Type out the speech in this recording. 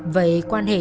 vậy quan hệ